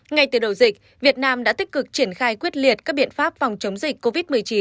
ngay từ đầu dịch việt nam đã tích cực triển khai quyết liệt các biện pháp phòng chống dịch covid một mươi chín